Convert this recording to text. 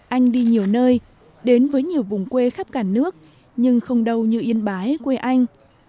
anh đi nhiều nơi đến với nhiều vùng quê khắp cả nước nhưng không đâu như yên bái quê anh